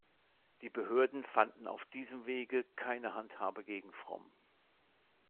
Die Behörden fanden auf diesem Wege keine Handhabe gegen Fromm.